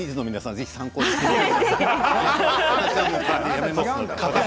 どうぞ参考にしてください。